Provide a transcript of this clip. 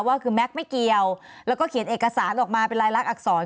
ว่าคือแม็กซ์ไม่เกี่ยวแล้วก็เขียนเอกสารออกมาเป็นรายลักษณอักษร